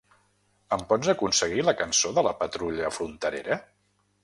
Em pots aconseguir la cançó de la patrulla fronterera?